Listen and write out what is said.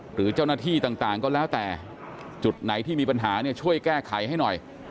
หรือเจ้าหน้าที่ต่างก็แล้วแต่จุดไหนที่มีปัญหาเนี่ยช่วยแก้ไขให้หน่อย